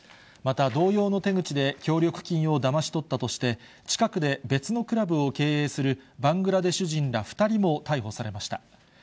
また同様の手口で協力金をだまし取ったとして、近くで別のクラブを経営するバングラデシュ人ら２人も逮捕されました。